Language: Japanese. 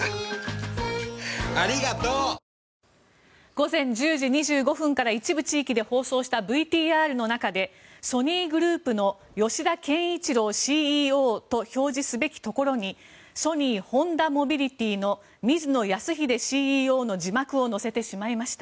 午前１０時２５分から一部地域で放送したＶＴＲの中でソニーグループの吉田憲一郎ＣＥＯと表示すべきところにソニー・ホンダモビリティの水野泰秀ＣＥＯの字幕を載せてしまいました。